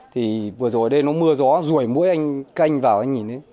thì vừa rồi đây nó mưa gió rủi mũi canh vào anh nhìn đấy